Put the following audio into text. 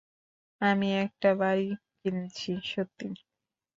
আমি একটা বাড়ি কিনেছি, - সত্যিই।